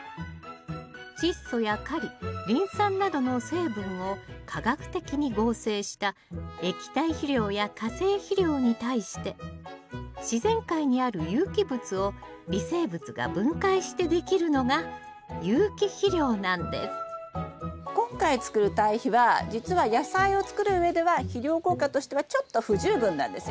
チッ素やカリリン酸などの成分を化学的に合成した液体肥料や化成肥料に対して自然界にある有機物を微生物が分解してできるのが有機肥料なんです今回つくる堆肥は実は野菜を作るうえでは肥料効果としてはちょっと不十分なんですよ。